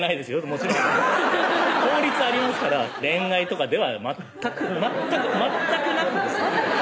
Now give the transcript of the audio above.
もちろん法律ありますから恋愛とかでは全く全く全くなくです